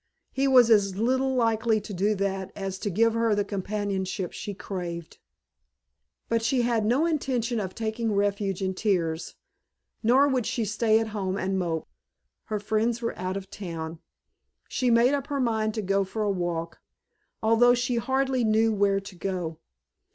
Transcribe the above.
he was as little likely to do that as to give her the companionship she craved. But she had no intention of taking refuge in tears. Nor would she stay at home and mope. Her friends were out of town. She made up her mind to go for a walk, although she hardly knew where to go.